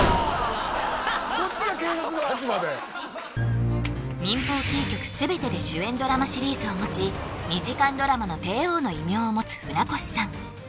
こっちが警察の立場だよ民放キー局全てで主演ドラマシリーズを持ち２時間ドラマの帝王の異名を持つ船越さん